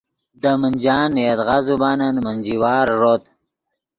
دے منجان نے یدغا زبانن منجی وار ݱوت